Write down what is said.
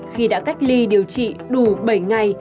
khi đã cách ly điều trị đủ bảy ngày